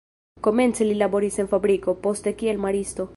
Komence li laboris en fabriko, poste kiel maristo.